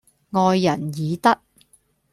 愛人以德